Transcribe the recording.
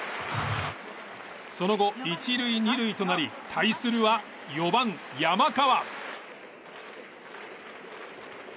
その後、１塁２塁となり対するは４番、山川。